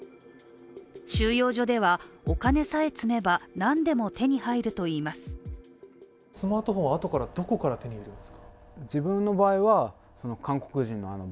収容所では、お金さえ積めば何でも手に入るといいます。